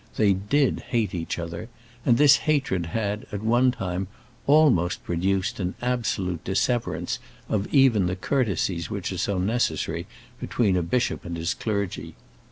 They did hate each other, and this hatred had, at one time, almost produced an absolute disseverance of even the courtesies which are so necessary between a bishop and his clergy.